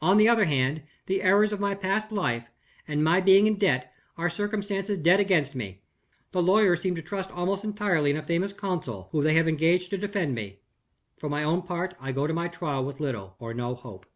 "On the other hand, the errors of my past life, and my being in debt, are circumstances dead against me. The lawyers seem to trust almost entirely in a famous counsel, whom they have engaged to defend me. For my own part, I go to my trial with little or no hope.